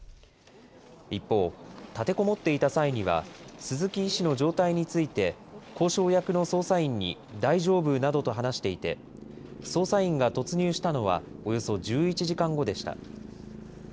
一方、立てこもっていた際には、鈴木医師の状態について、交渉役の捜査員に、大丈夫などと話していて、捜査員が突入したのは、およそ１１時間後でした。